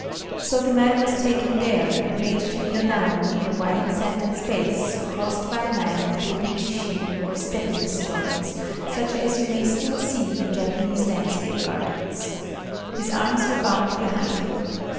So the man was taken there, and made to kneel down in a wide sanded space crossed by a line of tobi ishi, or stepping stones, such as you may still see in Japanese landscape gardens. His arms were bound behind him.